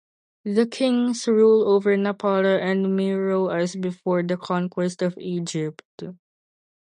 The Kings rule over Napata and Meroe as before the conquest of Egypt.